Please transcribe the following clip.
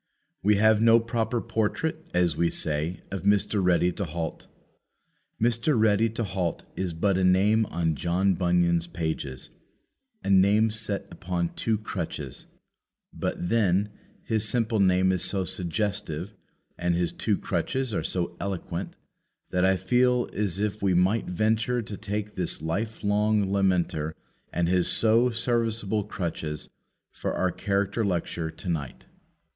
We have no proper portrait, as we say, of Mr. Ready to halt. Mr. Ready to halt is but a name on John Bunyan's pages a name set upon two crutches; but, then, his simple name is so suggestive and his two crutches are so eloquent, that I feel as if we might venture to take this life long lameter and his so serviceable crutches for our character lecture to night.